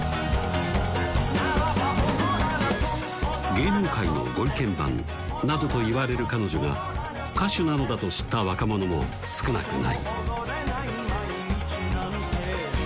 芸能界のご意見番などといわれる彼女が歌手なのだと知った若者も少なくない「心踊れない毎日なんて」